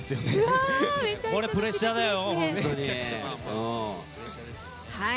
これプレッシャーだよ。